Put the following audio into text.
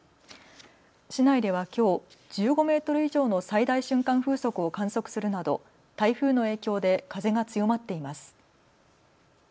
市内ではきょう１５メートル以上の最大瞬間風速を観測するなど台風の影響で風が強まっています。